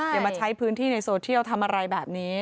อย่ามาใช้พื้นที่ในโซเทียลทำอะไรแบบนี้